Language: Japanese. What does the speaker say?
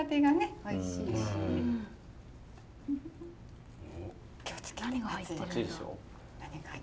おいしっ？